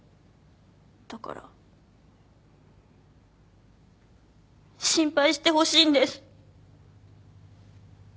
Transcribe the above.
だから心配してほしいんです。